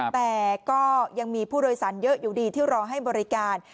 แต่ก็ยังมีผู้โดยสารเยอะอยู่ดีที่รอให้บริการ